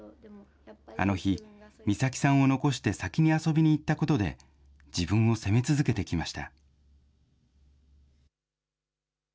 あの日、美咲さんを残して先に遊びに行ったことで自分を責め続けてきました。